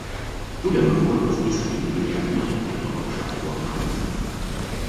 Ugyanakkor az északi vidékek nagyon gyér lakosságúak máig.